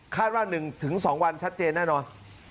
ว่า๑๒วันชัดเจนแน่นอน